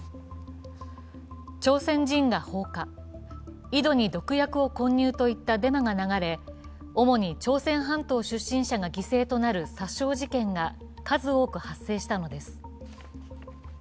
朝鮮人が放火、井戸に毒薬を混入といったデマが流れ、主に朝鮮半島出身者が犠牲となる殺傷事件が数多く発生したのです。